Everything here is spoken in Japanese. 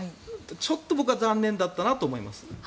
ちょっと僕は残念だったなと思います。